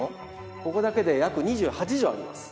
ここだけで約２８帖あります。